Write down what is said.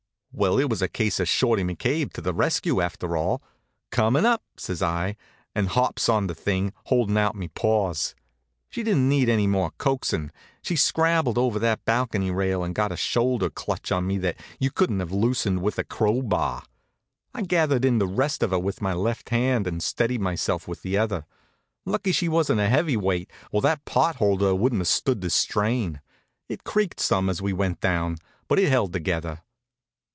Well, it was a case of Shorty McCabe to the rescue, after all. "Coming up!" says I, and hops on the thing, holdin' out me paws. She didn't need any more coaxin'. She scrabbled over that balcony rail and got a shoulder clutch on me that you couldn't have loosened with a crowbar. I gathered in the rest of her with my left hand and steadied myself with the other. Lucky she wasn't a heavy weight, or that pot holder wouldn't have stood the strain. It creaked some as we went down, but it held together.